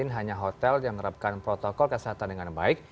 hanya hotel yang menerapkan protokol kesehatan dengan baik